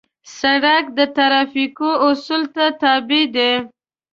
سړک د ترافیکو اصولو ته تابع دی.